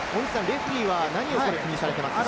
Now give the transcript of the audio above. レフェリーは何を気にされてますか？